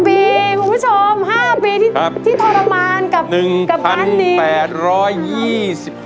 ปีคุณผู้ชม๕ปีที่ทรมานกับบ้านนี้